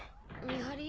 ・見張り？